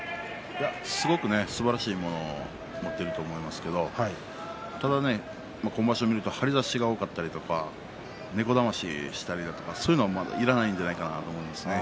すごくすばらしいものを持っていると思いますけどただ今場所を見ると張り、いなしが多かったり猫だましをしたりだとかそういうのはいらないのではないかと。